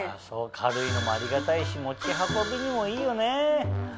軽いのもありがたいし持ち運びにもいいよね！